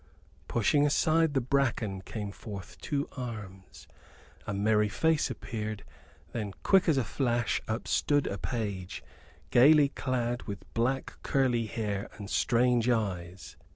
Pushing aside the bracken came forth two arms; a merry face appeared; then, quick as a flash, upstood a page, gaily clad, with black curly hair and strange eyes.